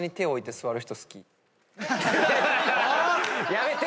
やめて！